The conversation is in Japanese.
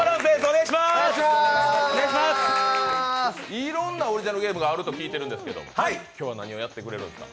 いろんなオリジナルゲームがあると聞いているんですけど、今日は何をやってくれるんですか？